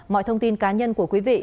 mọi thông tin cá nhân của quý vị